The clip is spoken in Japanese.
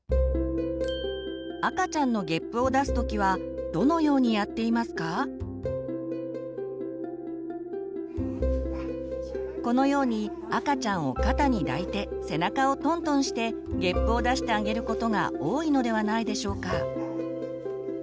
赤ちゃんのこのように赤ちゃんを肩に抱いて背中をトントンしてげっぷを出してあげることが多いのではないでしょうか？